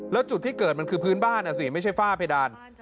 แล้วจุดที่เกิดมันคือพื้นบ้านอ่ะสิไม่ใช่ฝ้าเพดาน